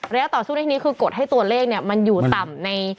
ต่อสู้ในนี้คือกดให้ตัวเลขมันอยู่ต่ำใน